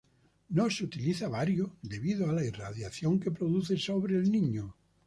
No se utiliza bario debido a la irradiación que produce sobre el niño.